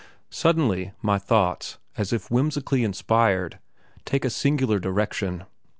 Suddenly my thoughts, as if whimsically inspired, take a singular direction.